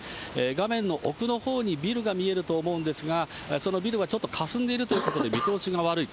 画面の奥のほうにビルが見えると思うんですが、そのビルはちょっとかすんでるということで、見通しが悪い。